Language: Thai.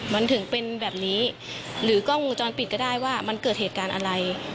มันถึงเป็นแบบนี้หรือกล้องวงจรปิดก็ได้ว่ามันเกิดเหตุการณ์อะไร